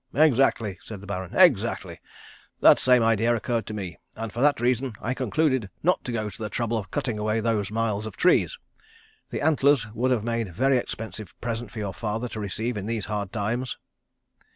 "Exactly," said the Baron. "Exactly. That same idea occurred to me, and for that reason I concluded not to go to the trouble of cutting away those miles of trees. The antlers would have made a very expensive present for your father to receive in these hard times."